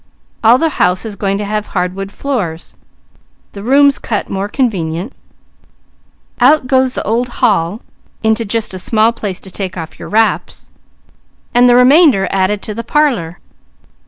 All the house is going to have hardwood floors, the rooms cut more convenient; out goes the old hall into just a small place to take off your wraps, and the remainder added to the parlour.